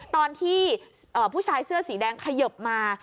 ตอนที่ผู้ชายเสื้อสีแดงขยบมา